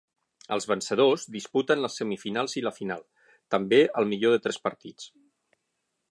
Els vencedors disputen les semifinals i la final, també al millor de tres partits.